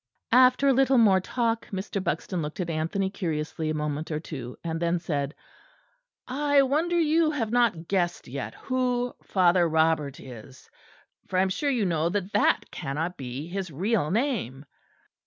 After a little more talk, Mr. Buxton looked at Anthony curiously a moment or two; and then said: "I wonder you have not guessed yet who Father Robert is; for I am sure you know that that cannot be his real name."